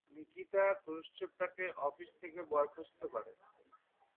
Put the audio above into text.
Nikita Khrushchev তাকে office থেকে বরখাস্ত করে।